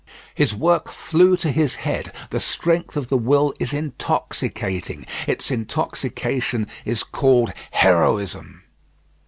His work flew to his head; the strength of the will is intoxicating. Its intoxication is called heroism.